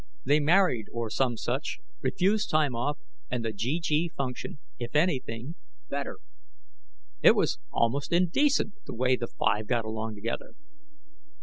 They married or some such, refused time off, and the GG functioned, if anything, better. It was almost indecent the way the five got along together.